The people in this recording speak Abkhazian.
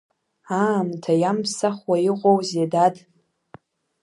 Аамҭа иамԥсахуа иҟоузеи, дад!